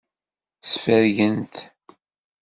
Sfergen-t.